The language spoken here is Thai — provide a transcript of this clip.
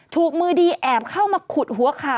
ถูกมือดีแอบเข้ามาขุดหัวขา